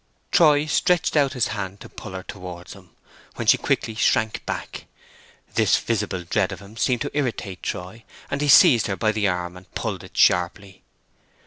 Troy stretched out his hand to pull her towards him, when she quickly shrank back. This visible dread of him seemed to irritate Troy, and he seized her arm and pulled it sharply.